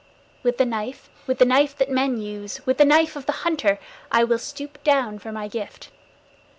With the knife, with the knife that men use, with the knife of the hunter, I will stoop down for my gift.